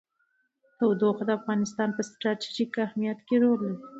تودوخه د افغانستان په ستراتیژیک اهمیت کې رول لري.